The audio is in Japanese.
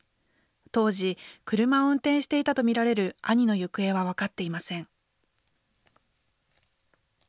当時、車を運転していたと見られる兄の行方は分かっていません。